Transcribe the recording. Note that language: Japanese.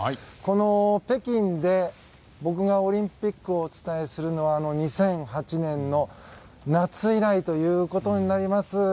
この北京で僕がオリンピックをお伝えするのは２００８年の夏以来ということになります。